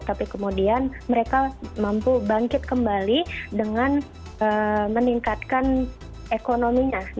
tapi kemudian mereka mampu bangkit kembali dengan meningkatkan ekonominya